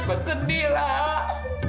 gue sedih lah